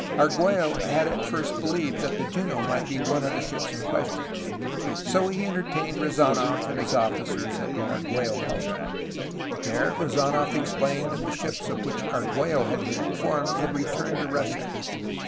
Argiiello had at first beheved that the Juno might be one of the ships in question. So he entertained Rezanof and his officers at the Argiiello home. There Rezanof explained that the ships of which Argiiello had been informed had returned to Russia.